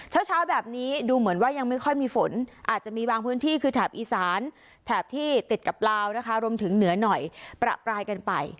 เช้าแบบนี้ดูเหมือนว่ายังไม่ค่อยมีฝนอาจจะมีบางพื้นที่คือแถบอีสานแถบที่ติดกับลาวนะคะรวมถึงเหนือหน่อยประปรายกันไป